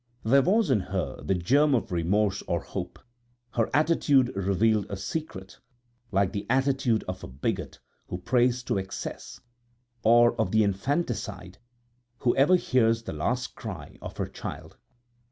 There was in her the germ of remorse or hope; her attitude revealed a secret, like the attitude of a bigot who prays to excess, or of the infanticide who ever hears the last cry of her child.